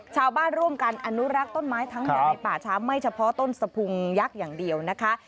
ชาวบ้านร่วมกันอนุรักษ์ต้นไม้ทั้งใหญ่ในป่าช้าไม่เฉพาะต้นสะพุงยักษ์อย่างเดียวนะคะ